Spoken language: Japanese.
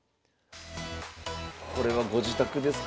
これはご自宅ですかね？